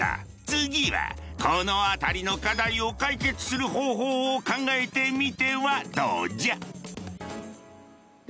次はこの辺りの課題を解決する方法を考えてみてはどうじゃ。